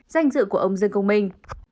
danh dự của ông dân công minh